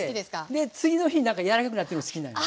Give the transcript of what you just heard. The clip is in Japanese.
で次の日何か柔らかくなってるの好きなんよ。